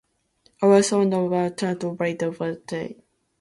He started swimming as a boy and attended Cranbrook School in Bellevue Hill, Sydney.